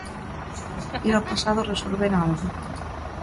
Ir ao pasado resolver algo.